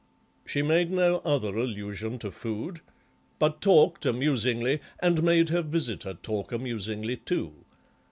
She made no other allusion to food, but talked amusingly and made her visitor talk amusingly too.